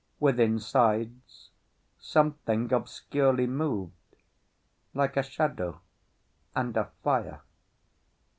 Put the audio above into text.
Withinsides something obscurely moved, like a shadow and a fire.